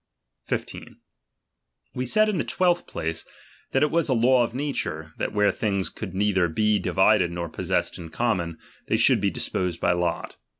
Aisoofthe 15. We said in the twelfth place, that it was a iHngs lAe IS'W of uaturc, that where things could neither be divid<^dbyint, (\i\r;(Je(i nor possessed in common, they should be disposed by lot.